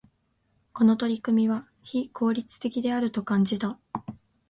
この取り組みは、非効率的であると感じた。